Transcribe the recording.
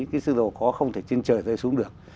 cái sự giàu có không thể trên trời rơi xuống được